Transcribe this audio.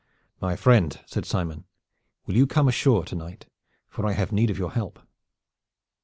"My friend," said Simon, "will you come ashore to night for I have need of your help?"